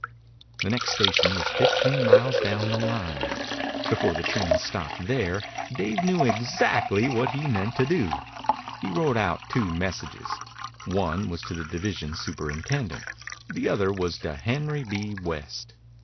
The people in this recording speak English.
The next station was fifteen miles down the line. Before the train stopped there Dave knew exactly what he meant to do. He wrote out two messages. One was to the division superintendent. The other was to Henry B. West.